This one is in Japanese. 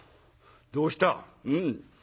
「どうした？